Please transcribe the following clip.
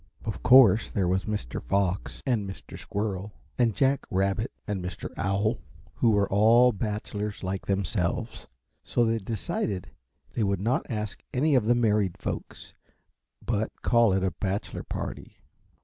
Of course there was Mr. Fox and Mr. Squirrel and Jack Rabbit and Mr. Owl, who were all bachelors like themselves; so they decided they would not ask any of the married folks, but call it a bachelor party.